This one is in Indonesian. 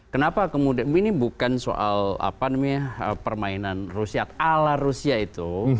kenapa kemudian ini bukan soal permainan rusia ala rusia itu